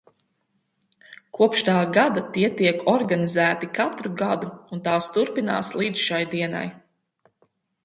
Kopš tā gada tie tiek organizēti katru gadu un tās turpinās līdz šai dienai.